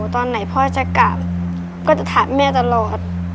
ตอนไหนพ่อจะกลับก็จะถามแม่ตลอด